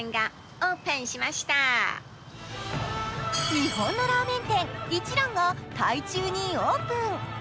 日本のラーメン店一蘭が台中にオープン。